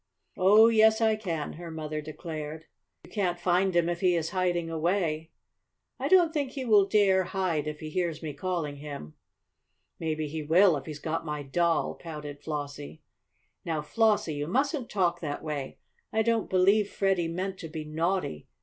"Oh, yes I can," her mother declared. "You can't find him if he is hiding away." "I don't think he will dare hide if he hears me calling him." "Maybe he will if he's got my doll," pouted Flossie. "Now, Flossie, you mustn't talk that way. I don't believe Freddie meant to be naughty.